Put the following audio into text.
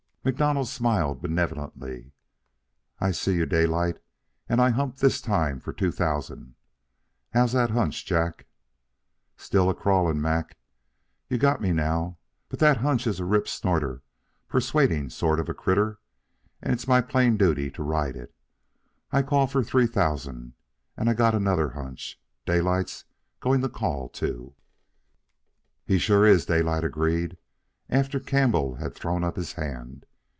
MacDonald smiled benevolently. "I see you, Daylight, and I hump this time for two thousand. How's that hunch, Jack?" "Still a crawling, Mac. You got me now, but that hunch is a rip snorter persuadin' sort of a critter, and it's my plain duty to ride it. I call for three thousand. And I got another hunch: Daylight's going to call, too." "He sure is," Daylight agreed, after Campbell had thrown up his hand.